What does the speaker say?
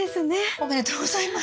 おめでとうございます。